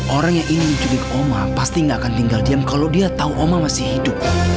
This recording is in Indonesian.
orang yang ingin menculik oma pasti gak akan tinggal diam kalau dia tahu oma masih hidup